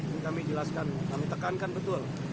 ingin kami jelaskan kami tekankan betul